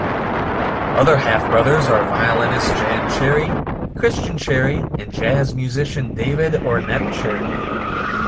Other half-brothers are violinist Jan Cherry, Christian Cherry, and jazz musician David Ornette Cherry.